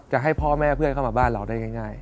จะให้พ่อแม่เพื่อนเข้ามาบ้านเราได้ง่าย